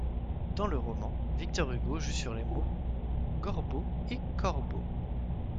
Dans le roman, Victor Hugo joue sur les mots Gorbeau et Corbeau.